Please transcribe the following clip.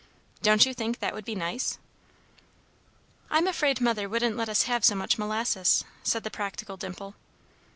Don't you think that would be nice?" "I'm afraid Mother wouldn't let us have so much molasses," said the practical Dimple.